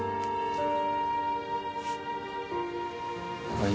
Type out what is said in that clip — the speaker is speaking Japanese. はい